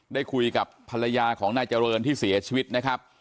ได้คุยกับภรรยาของนายเจริญที่เสียชีวิตนะครับ